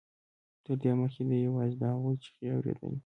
تر دې مخکې ده یوازې د هغوی چیغې اورېدلې